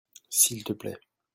s'il te plait.